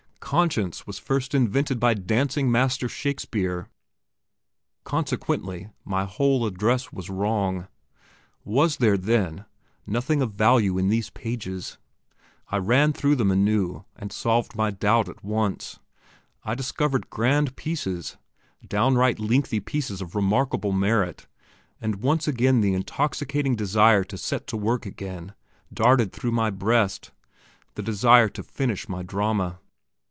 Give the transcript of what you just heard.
Conscience was first invented by Dancing master Shakespeare, consequently my whole address was wrong. Was there, then, nothing of value in these pages? I ran through them anew, and solved my doubt at once. I discovered grand pieces downright lengthy pieces of remarkable merit and once again the intoxicating desire to set to work again darted through my breast the desire to finish my drama.